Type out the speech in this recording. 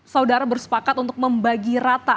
saudara bersepakat untuk membagi rata